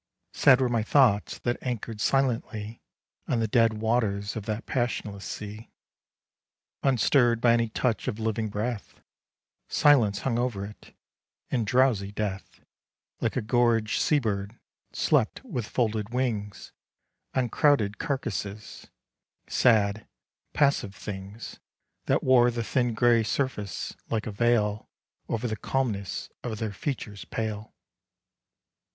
Sad were my thoughts that anchor'd silently On the dead waters of that passionless sea, Unstirr'd by any touch of living breath: Silence hung over it, and drowsy Death, Like a gorged sea bird, slept with folded wings On crowded carcases sad passive things That wore the thin gray surface, like a veil Over the calmness of their features pale.